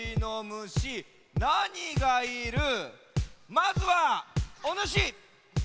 まずはおぬし！